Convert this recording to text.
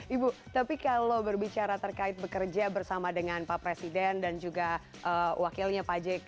ibu tapi kalau berbicara terkait bekerja bersama dengan pak presiden dan juga wakilnya pak jk